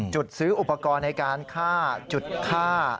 ซื้ออุปกรณ์ในการฆ่าจุดฆ่า